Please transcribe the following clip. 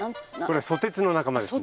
これソテツの仲間ですね。